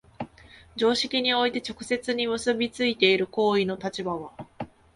常識において直接に結び付いている行為の立場は、